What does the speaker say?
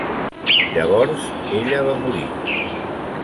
Llavors ella va morir.